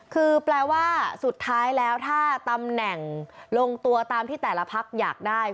คือแปลว่าสุดท้ายแล้วถ้าตำแหน่งลงตัวตามที่แต่ละพักอยากได้